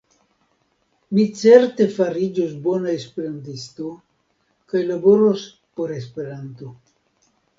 Mi certe fariĝos bona esperantisto kaj laboros por Esperanto.